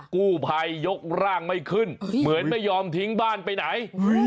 กู้ภัยยกร่างไม่ขึ้นเหมือนไม่ยอมทิ้งบ้านไปไหน